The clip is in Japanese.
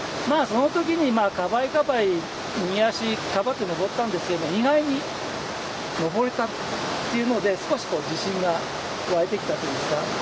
その時にかばいかばい右足かばって登ったんですけど意外に登れたっていうので少し自信が湧いてきたというんですか。